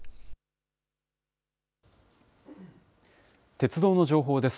鉄道の情報です。